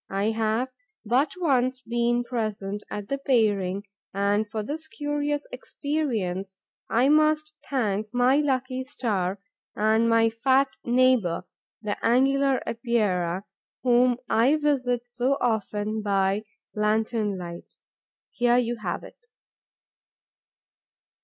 I have but once been present at the pairing and for this curious experience I must thank my lucky star and my fat neighbour, the Angular Epeira, whom I visit so often by lantern light. Here you have it.